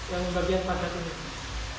yang bagian padat ini